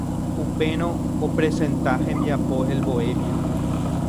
Upérõ opresenta hembiapo El Bohemio.